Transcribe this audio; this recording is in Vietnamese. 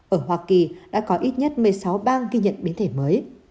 ở hoa kỳ đã có ít nhất một mươi sáu bang ghi nhận biến thể mới